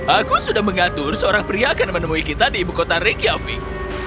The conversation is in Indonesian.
aku sudah mengatur seorang pria akan menemui kita di ibu kota rechiaving